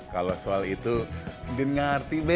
kalau soal itu ndin ngerti be